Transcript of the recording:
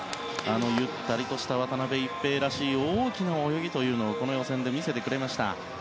ゆったりとした渡辺一平らしい大きな泳ぎというのをこの予選で見せてくれました。